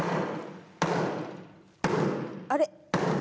あれ？